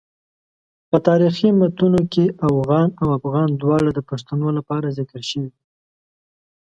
په تاریخي متونو کې اوغان او افغان دواړه د پښتنو لپاره ذکر شوي.